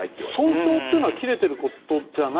損傷というのは切れていることじゃない？